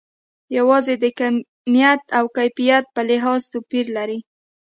یوازې د کمیت او کیفیت په لحاظ توپیر لري.